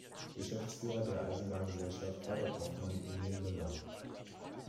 Geschäftsführer der Eisenbahngesellschaft war der Kaufmann Emil Müller.